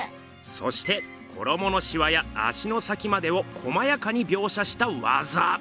そして衣のシワや足の先までをこまやかに描写したわざ。